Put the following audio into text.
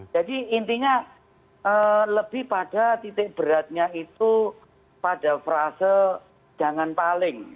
jadi intinya lebih pada titik beratnya itu pada frase jangan paling